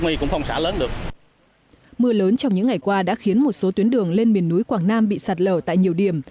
mưa lớn trong những ngày qua đã khiến một số tuyến đường lên miền núi quảng nam bị sạt lở tại nhiều điểm